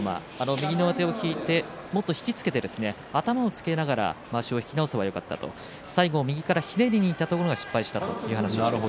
右の上手を引いてもっと引き付けて頭をつけながらまわしを引き直せばよかったと最後、右からひねりにいったところが失敗したという話でした。